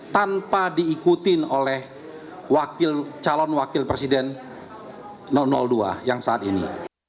tanpa diikutin oleh calon wakil presiden dua yang saat ini